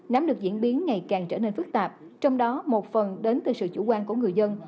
nắm được diễn biến ngày càng trở nên phức tạp trong đó một phần đến từ sự chủ quan của người dân